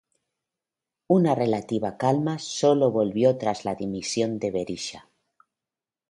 Una relativa calma sólo volvió tras la dimisión de Berisha.